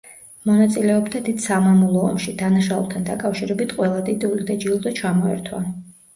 მონაწილეობდა დიდ სამამულო ომში, დანაშაულთან დაკავშირებით, ყველა ტიტული და ჯილდო ჩამოერთვა.